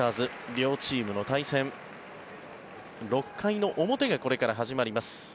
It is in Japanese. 両チームの対戦６回の表がこれから始まります。